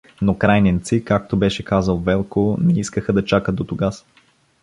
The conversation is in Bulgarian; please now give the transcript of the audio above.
Но крайненци, както беше казал Велко, не искаха да чакат дотогаз.